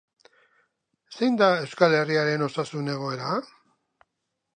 Zein da Euskal Herriaren osasun egoera?